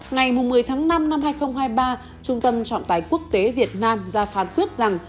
ngày một mươi tháng năm năm hai nghìn hai mươi ba trung tâm trọng tài quốc tế việt nam ra phán quyết rằng